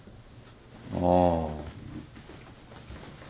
ああ。